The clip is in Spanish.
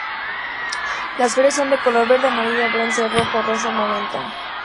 Las flores son de color verde, amarillo, bronce, rojo, rosa o magenta.